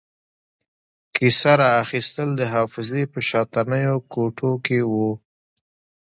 کیسه را اخیستل د حافظې په شاتنیو کوټو کې وو.